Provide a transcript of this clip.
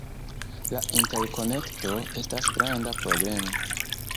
La interkonekto estas granda problemo.